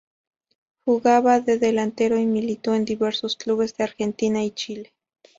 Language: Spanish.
Jugaba de delantero y militó en diversos clubes de Argentina y Chile.